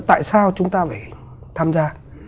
tại sao chúng ta phải tham gia